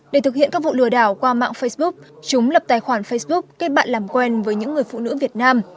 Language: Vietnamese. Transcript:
để thực hiện các vụ lừa đảo qua mạng facebook chúng lập tài khoản facebook kết bạn làm quen với những người phụ nữ việt nam